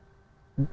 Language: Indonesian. ya di intimidasi